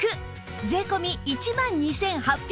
税込１万２８００円